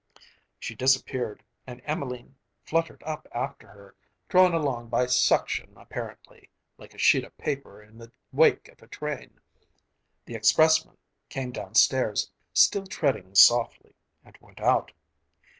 She disappeared, and Emelene fluttered up after her, drawn along by suction, apparently, like a sheet of paper in the wake of a train. The expressmen came downstairs, still treading softly, and went out.